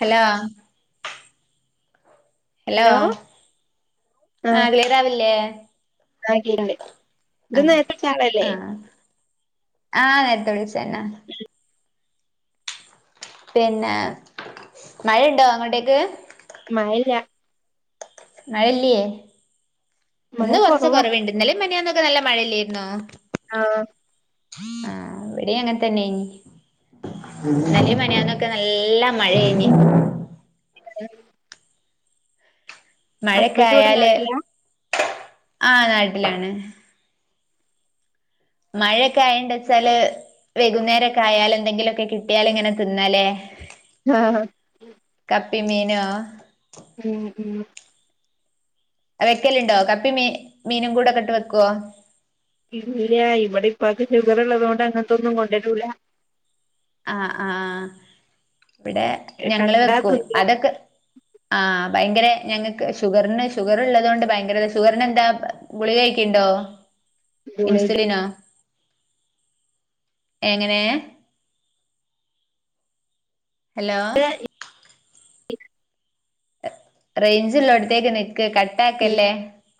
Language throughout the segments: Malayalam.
ഹലോ ഹലോ ആ അഖലേറാവില്ലേ ആ ഇതൊന്ന നേരത്തെ വിചാളല്ലേ ആഹ് നേ നേരത്തെ വിളിച്ചന്നെ പിന്നെ മഴുണ്ടോ അങ്ങോട്ടേക്ക് മഴ ല്ല മഴല്ലേ മഴ ഇന്ന് കുറച്ച കൊറവാ കുറവേണ്ട ഇന്നലും മിനിയാന്നൊക്കെ നല്ല മഴയില്ലായിരുന്നോ ആഹ് ആഹ് എവിടെ അങ്ങനെ തന്നെനി ഇന്നല്ല മിനിയാന്നൊക്കെ നല്ല മഴയായ് നി മഴൊക്കെ ഹസ്ബൻഡ് ഇവിടെ ആയാല് നാട്ടിലാ ആ നാട്ടിലാണ് മഴയക്കെ ആയണ്ട ച്ചാല് വൈകുന്നേരൊക്കെ ആയാല ന്തെങ്കിലൊക്കെ കിട്ടിയാലിങ്ങനെ തിന്നാലേ ആഹ് കപ്പി മീനോ ഉം ഉം വെക്കലുണ്ടോ കപ്പി മീ മീനും കൂടെ ഒക്കെട്ട് വെക്കുവോ ഇല്ല ഇവിടെ ഇപ്പക്ക് ഷുഗർ ഉള്ളതുക കൊണ്ട് അങ്ങനത്തെന്നും കൊണ്ടുവരൂല ആ ആഹ് ഇവിടെ ഞങ്ങള് കണ്ടാ വെക്കും തിന്നും അതൊക്കെ ആഹ് ഭയങ്കര ഞങ്ങക്ക് ഷുഗറിന് ഷുഗർ ഉള്ളതുകൊണ്ട് ഭയങ്കര ഷുഗറിന് എന്താ ഗുളികഴിക്കുണ്ടോ ഗുളിക ഇൻസുലിനോ എങ്ങനെ ഹലോ റേഞ്ചിലോടുത്തേക്ക് നി ക കട്ടാക്കല്ലേ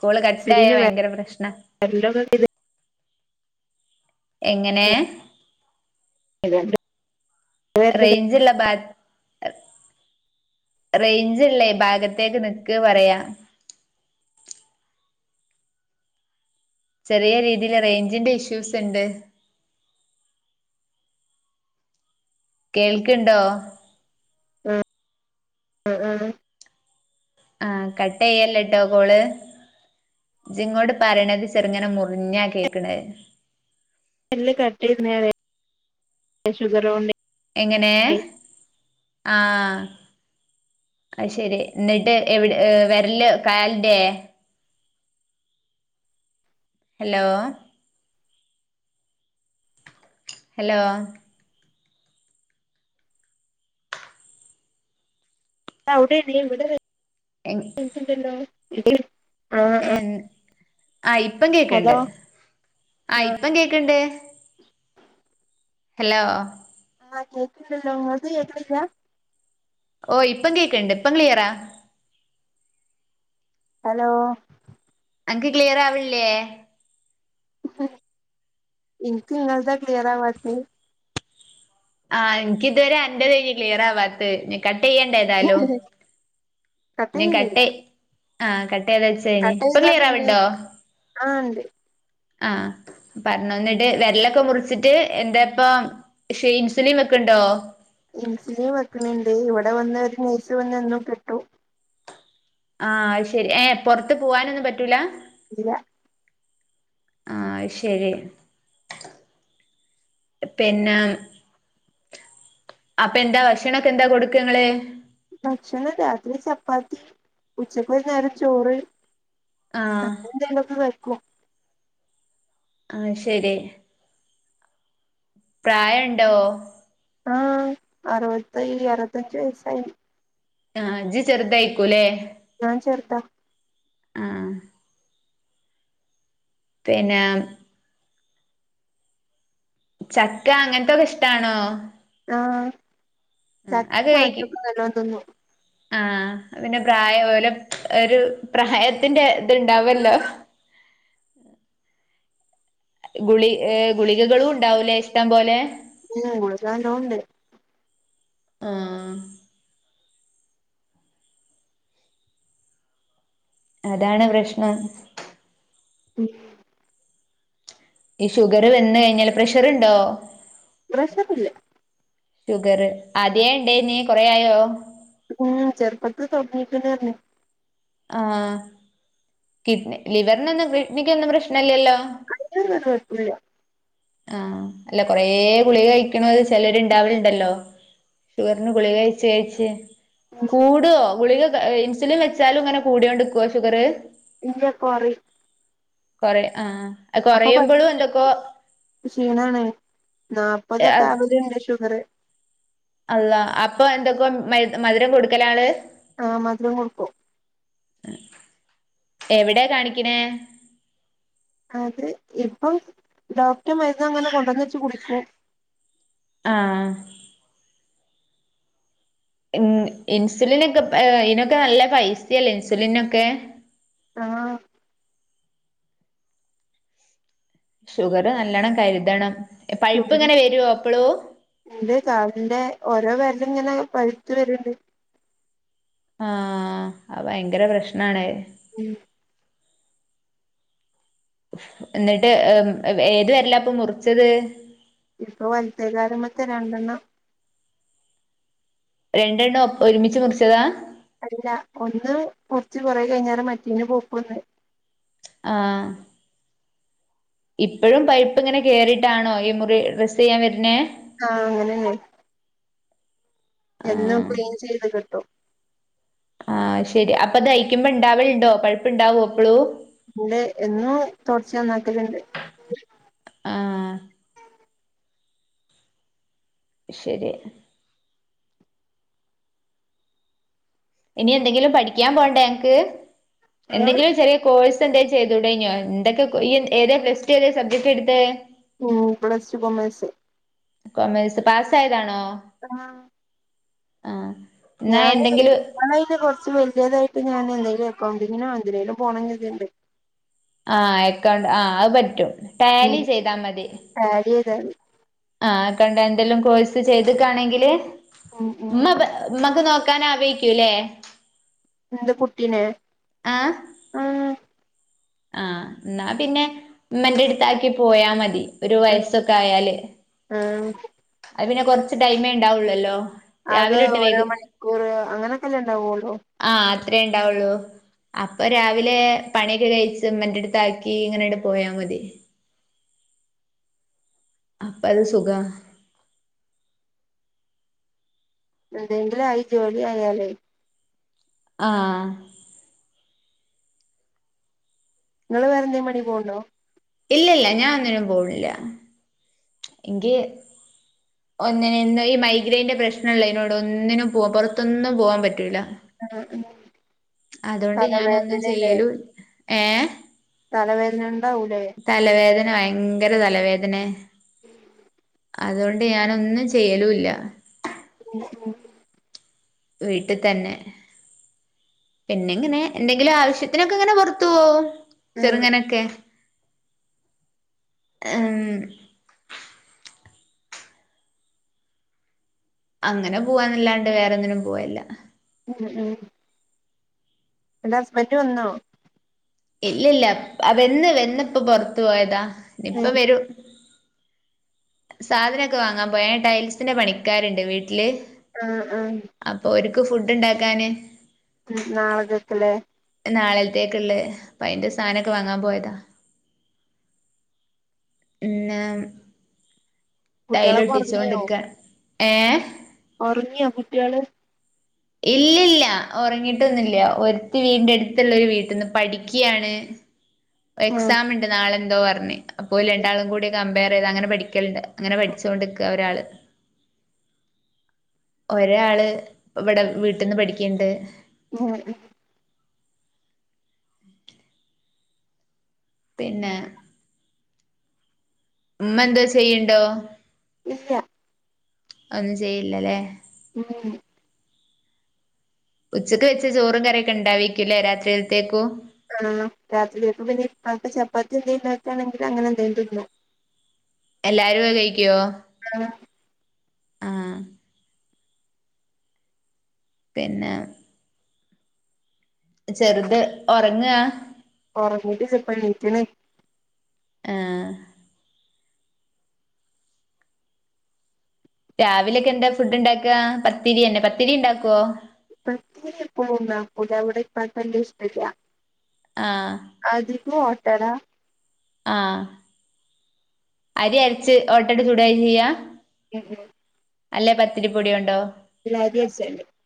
കോള് കട്ടായ ഇൻസുലിന് ഭയങ്കര പ്രശ്ന വെരലൊക്കെ എങ്ങനെ [unintelligible] വെരല് റേഞ്ജലബാദ് റേഞ്ച്ല്ലേ ഭാഗത്തേക്ക് നിക്ക് പറയാ ചെറിയ രീതിയിൽ റേഞ്ചിന്റെ ഇഷ്യൂസ് ഉണ്ട് കേൾക്കണ്ടോ ആഹ് ആഹ് ആഹ കട്ടയ്യല്ല ട്ടോ കോള് ജിങ്ങോട് പരണത് ചെറുങ്ങനെ മുറിഞ്ഞാ കേക്കണഹ് എല്ല് കട്ട് ചെയ് പറയ്യാ ഷുഗർ കൊണ്ട് എങ്ങനെ ആ അ ശെരി എന്നിട്ട് എവിടെ വെരല് കാലിന്റെയേ ഹലോ ഹലോ അവിടെ [unintelligible] ഇവ്ട എങ് ഇണ്ടല്ലോ [unintelligible] ആ ആ യിപ്പം കേക്കണ്ട് ആഹ് ആയിപ്പം കേൾക്കണ്ട് [inaudible] ഹലോ ആഹ് കേക്കില്ണ്ടല്ലോ ങ്ങൾക്ക് കേക്കണില്ലാ ഓ ഇപ്പം കേൾക്ക്ണ്ട് ഇപ്പം ക്ളിയറാ ഹലോ അനക്ക് ക്ലിയർ ആവിൺല്ലേ ഇനിക്ക് ഇങ്ങതാ ക്ലിയറാവാത്ത് ആ എനിക്ക് ഇതുവരെ അൻന്റെ കയ്ഞ് ക്ലിയർ ആവാത് കട്ട് ചെയ്യണ്ട ഏതാലും നി കട്ട് ആ കട്ട് ചെയ്ത് വെച് ശരി കട്ട് ഇപ്പൊ ചെയ്താ പിന്നെ ക്ലിയറാവിണ്ടോ ആ ണ്ട് ആഹ് പറഞ്ഞു എന്നിട്ട് വെരലൊക്കെ മുറിച്ചിട്ട് എന്താ ഇപ്പം ഷെയിംസുലിൻ വെക്കുണ്ടോ ഇൻസുലിൻ വെക്കണ് ണ്ട് ഇവിടെ വന്ന് ഒരു നേഴ്സ് വന്ന് എന്നും കെട്ടും ആഹ് ശരി ഏഹ് പൊറത്ത് പോവാനൊന്നും പറ്റൂല ഇല്ല ആഹ് ശരി പിന്നെ അപ്പ എന്താ ഭക്ഷണൊക്കെ എന്താ കൊടുക്കാ ഇങ്ങള് ഭക്ഷണം രാത്രി ചപ്പാത്തി ഉച്ചക്ക് ഒരു നേരം ചോറ് ആഹ് അങ്ങനെ എന്തേലൊക്കെ കഴിക്കും ആഹ് ശരി പ്രായണ്ടോ ആഹ അറുവത്തി അറുവത്തഞ്ച് വയസ്സായി ആഹ് ഇജ്ജ് ചെറുതായിക്കൂലേ ഞാൻ ചേർതാ ആഹ് പിന്നെ ചക്ക അങ്ങനത്തൊക്കെ ഇഷ്ടാണോ ആഹ് ഉം ചക്കിം അത് മാങ്ങിം കഴിക്കും ഒക്കെ നല്ലോം തിന്നും ആഹ പിന്നെ പ്രായ ലൊ ഒരു പ്രായത്തിന്റെ ഇത്ണ്ടാവൂലോ ഗുളി ഏഹ് ഗുളികകളും ഉണ്ടാവൂലേ ഇഷ്ടം പോലെ ഉം ഗുളിക നല്ലോണ്ട് ആഹ് അതാണ് പ്രശ്നം ഉം ഈ ഷുഗറ് വന്ന് കഴിഞ്ഞാല് പ്രഷറിണ്ടോ പ്രഷറില്ല ഷുഗറ് ആദ്യേ ഇണ്ടേയ്നി കൊറേ ആയോ? ഉം ചെറുപ്പത്തിൽ തൊടങ്ങീക്കണയിന് ആഹ് കിഡ്നി ലിവറിനൊന്നും കിഡ്നിക്ക് ഒന്നും പ്രശ്നീലല്ലോ? അയിനൊന്നും ഒരു കൊഴപ്പൂല ആഹ് അല്ല കൊറേ ഗുളിക കഴിക്കണോര് ചെലര് ഇണ്ടാവലിണ്ടല്ലോ ഷുഗറിന് ഗുളിക കഴിച്ച് കഴിച്ച് കൂടോ ഗുളിക ഇൻസുലിൻ വെച്ചാലും ഇങ്ങനെ കൂടിയോണ്ടിക്കോ ഷുഗറ്? ഇല്ല കൊറയും കൊറയും ആഹ അപ്പൊ പ [inaudible] ക്ഷീണാണ് നാൽപതൊക്കെ ആവലിണ്ട് ഷുഗറ് അള്ളാ അപ്പൊ എന്തൊക്കെ മ മധുരം കൊടുക്കലാ ആള് ആഹ് മധുരം കൊടുക്കും ഏഹ് എവിടാ കാണിക്കണ്? അത് ഇപ്പം ഡോക്ടറെ മരുന്ന് അങ്ങനെ കൊണ്ടുവന്ന് വെച്ച് കുടിക്കും ആഹ ഉം ഇൻസുലിനൊക്കെ ഏഹ് അയിനൊക്കെ നല്ല പൈസ്യല്ലേ ഇൻസുലിനൊക്കെ ആഹ് ഷുഗറ് നല്ലോണം കരുതണം പഴുപ്പ് ഇങ്ങനെ വരോ എപ്പളും രണ്ട് കാലിന്റെ ഓരോ വെരലും ഇങ്ങനെ പഴുത്ത് വരിണ്ട് ആഹ് അത് ഭയങ്കര പ്രശ്നാണ് ഉം ന്നിട്ട് ഏത് വെര്ല പ്പൊ മുറിച്ചത്. പ്പൊ വൽതെകാല്മത്തെ രണ്ടെണ്ണം രണ്ടെണ്ണം ഒരുമിച്ച് മുർച്ചതാ അല്ല ഒന്ന് മുർച്ച് കൊറേ കഴിഞ്ഞാരെ മറ്റേയ്‌ന് പൗപെന്ന് ആഹ് ഇപ്പോഴും പൈപ്പ് ങ്ങനെ കേറിട്ടാണോ ഈ മുറി ഡ്രസ്സെയ്യാൻ വര്ന്നേ ആഹ് അങ്ങനെന്നെ എന്നും ആഹ് ക്ളീൻ ചെയ്ത് കെട്ടും ആഹ് ശെരി അപ്പദയ്ക്കുമ്പൊ ണ്ടാവൽണ്ടോ പയ്പ് ണ്ടാവോ പ്പളു ണ്ട് എന്നും തൊട്ച്ചനാക്കലണ്ട് ആഹ് ശരി ഇനി എന്തെങ്കിലും പഠിക്കാൻ പോണ്ടേ അന്ക്ക് എന്തെങ്കിലും ചെറിയ കോഴ്സെ ന്തെ ചെയ്തുടെന്യോ ന്തൊക്കെ ഈ ഏതാ പ്ളസ്ടു ഏതേ സബ്ജക്റ്റെടുത്തെ മ് ബ്ലസി കൊമേസ് കൊമേസ് പാസായതാണോ ആ ആഹ് എന്നാ ഞാന് എന്തെങ്കിലും തായത് കൊർച്ച് വല്യതായിട്ട് ഞാന് ന്തേലും ക്കൗണ്ടിങ്ങിനോ ന്തിനേലും പോണം കർത്ണ്ട്. ആ എക്കൗണ് ആ അഹ് പറ്റും ടാലി ചെയ്താ മതി. ടാല്യേയ്താതി ആഹ് കണ്ട ന്തെല്ലും കോഴ്സ് ചെയ്ത്ക്കാണെങ്കില് ഉം ഉം മ്മ മ്മക്ക് നോക്കാനറ്യേക്കൂല്ലേ ന്ത് കുട്ടീനെ ആഹ് ആഹ് ആഹ് ന്നാ പിന്നെ മ്മന്റെട്ത്താക്കി പോയാ മതി ഒരു ആഹ് വയസ്സൊക്കായാല് ആഹ് അത് പിന്നെ കൊർച്ച് ടൈമേ ണ്ടാവുള്ളല്ലോ അത് ഓരോ മണിക്കൂർ അങ്ങനൊക്കെല്ലേണ്ടാവൊള്ളൂ ആഹ് അത്രേണ്ടാവുള്ളൂ അപ്പൊ രാവിലെ പണിയൊക്കെ കഴിച്ച മന്റെട്ത്താക്കിങ്ങനട് പോയാ മതി അപ്പത് സുഖ ന്തെങ്കിലു അയി ജോലി ആയാലേ ആഹ് നിങ്ങൾ വറെന്തേ പണി പോണ്ടോ? ഇല്ലല്ല ഞാനൊന്നിനും പോണില്ല ങ്കി ഒന്നിന് ഈ മൈഗ്രൈന്റെ പ്രശ്നള്ളേനോടൊന്നിനും പോ പൊറത്തൊന്നും പോവാൻ പറ്റൂല ആഹ ആഹ അതോണ്ട് ഞാനൊന്നും ചെയ്യലൂ ഏഹ തലവേദന ണ്ടാഊലെ തലവേദന ഭയങ്കര തലവേദനെ [inaudible] അതോണ്ട് ഞാനൊന്നും ചെയ്യലുല്ല [inaudible] വീട്ടി തന്നെ പിന്നെങ്ങനെ എന്തെങ്കിലും ആവശ്യത്തിനൊക്കെ ങ്ങനെ പൊറതോവും ആഹ് ചെറുങ്ങനൊക്കെ ഉം അങ്ങനെ പോവാന്നല്ലാണ്ട് വേറൊന്ന്നും പോവേല്ല ഉം ഉം അന്റെ ഹസ്ബന്റ് വന്നോ? ഇല്ലല്ല വന്ന് വന്നിപ്പോ പൊറത്ത് പോയതാ ഇപ്പ ഉം വരൂ സാധനമൊക്കെ വാങ്ങാൻ പോയാൻ ടൈൽസിന്റെ പണിക്കാരുണ്ട് വീട്ടില് ആഹ ആഹ അപ്പൊ ഒരുക്ക് ഫുഡ് ഉണ്ടാക്കാന് ഉം നാളത്തെകിലെ നാളത്തേക്ക ഉള്ളേ അപ്പ അയിന്റെ സാധനമൊക്കെ വങ്ങാൻ പോയതാ പിന്ന കുട്ടികളൊക്കെ ടൈലൊട്ടിച്ചൊണ്ടിക്ക എഹ ഉറങ്ങിയ കുട്ടികള് ഇല്ലല്ല ഉറങ്ങിട്ടൊന്നുമില്ല ഒരുത്തി വീടിൻ്റെ അടുത്തുള്ളരു വീട്ടന്ന് പഠിക്കുകയാണ് ആഹ് എക്സാം ഉണ്ട് നാളെന്തോ പറഞ്ഞഞ് അപ്പോ രണ്ടാളും കൂടി കമ്പയർ ചെയ്താ അങ്ങനെ പഠിക്കലണ്ട് അങ്ങനെ പഠിച്ചുകൊണ്ടരിക്കുക ഒരാള് ഒരാ ആള് ഇവിടെ വീട്ടിൽന്ന് പഠിക്കണ്ട് ഉം പിന്നെ ഉമ്മ എന്താ ചെയ്യണ്ടോ? ഇല്ല ഒന്നും ചെയ്യില്ലല്ലേ ഉം ഉച്ചക്ക് വെച്ച ചോറും കറിയൊക്കെ ഉണ്ടാവേക്കൂല്ലേ രാത്രിയത്തേകും ആഹ രാത്രിയൊക്ക [unintelligible] പിന്നെ ആക്കെ ചപ്പാത്തി എന്തക്കാണെങ്കിൽ അങ്ങനെ എന്തേ തിന്നോ എല്ലാരും കഴിക്കുവോ ആഹ ആഹ പിന്നെ ചെറുത് ഉറങ്ങുക കൊറങ്ങിട്ട് ചപ്പ നീക്കനെ ആഹ രാവിലെക്കെ എന്താ ഫുഡ് ണ്ടാക്കാ പത്തിരിയന്നെ പത്തിരി ണ്ടാക്കൊ പത്തിരി എപ്പളും ണ്ടാകൂല ഇവിടെ ഇപ്പാക് വല്യ ഇഷ്ടല്യ ആഹ് അധിക ഓട്ടട ആഹ് അരി അരച്ച് ഓട്ടട ചൂട ചെയ്യാ എ അല്ലെ പത്തിരിപ്പൊടി യോണ്ടോ [unintelligible]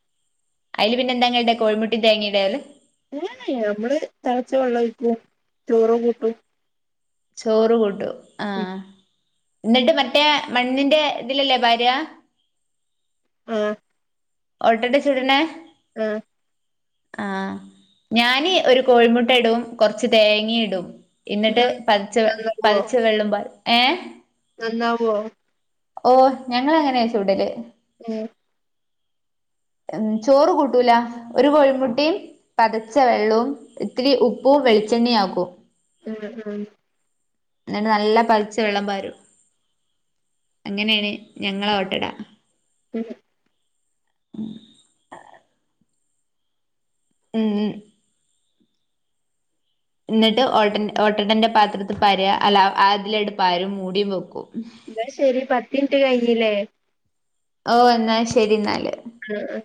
അതില് പിന്നെന്താൻടാണ്ട് കോഴമുട്ടി തേങ്ങയിടാലേ ന നമ്മള് തളച്ച വെള്ളം ഒഴിക്കും ചോറും കൂട്ടും ചോറ് കൂട്ടും ഉം ആഹ് എന്നിട്ട് മറ്റേ മണ്ണിന്റെ ഇതിലല്ലേ പാര ആഹ് ഒട്ടട ചുട് ണേ ആഹ് ആഹ് ഞാന് ഒരു കോഴിമുട്ട ഇടും കുറച്ച് തേങ്ങ ഇടും ന്ന ട്ട് ന്നാ പതിച്ച പതച് വെല്ലും പാരും ന ന്നാവോ ഓ ഞങ്ങ അങ്ങനെയാ ചൂടല് ഏഹ് ഉ ചോറ് കൂട്ടൂല ഒരു കോഴിമുട്ടിം പതച്ച വെള്ളും ഇത്തിരി ഉപ്പും വെളിച്ചെണ്ണിആക്കും ഉം ഉം എന്ന നല്ല തൾച്ച വെള്ളം പാരും അങ്ങനെയാണ് ഞങ്ങളെ ഓട്ടടാ ഉം ഉം ഉം ഇ ന്നട്ട് ഓട്ടടന്റെ പാത്രത്തി പാ ര അല്ല അതിലായിട്ട പാരും മൂടിയും പൊക്കും ഇന്നാ ശരി പത്തിൻട്ട് കഴിഞ്ഞില്ലേ ല്ലേ ഓ എന്നാശരി എന്നാല് ഉം ഉം